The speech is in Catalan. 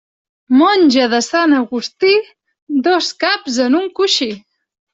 Monja de Sant Agustí, dos caps en un coixí.